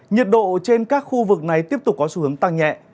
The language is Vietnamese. nhiệt độ trên các khu vực này tiếp tục có xu hướng tăng nhẹ